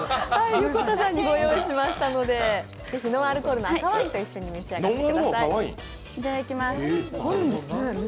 横田さんにご用意しましたので、ぜひノンアルコールの赤ワインと一緒にお召し上がりください。